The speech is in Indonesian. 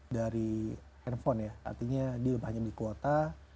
dari handphone ya artinya di lebih banyak di kuota